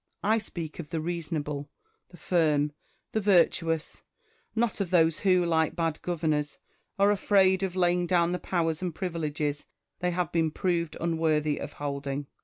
I speak of the reasonable, the firm, the virtuous ; not of those who, like bad governors, are afraid of laying down the powers and privileges they have been proved unworthy of holding.